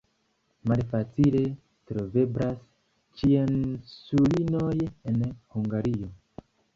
Malfacile troveblas ĉiesulinoj en Hungario.